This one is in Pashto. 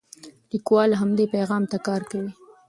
لیکوال همدې پیغام ته کار کوي.